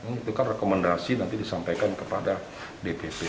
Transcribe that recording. itu kan rekomendasi nanti disampaikan kepada dpp